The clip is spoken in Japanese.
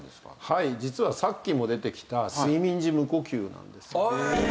はい実はさっきも出てきた睡眠時無呼吸なんですよ。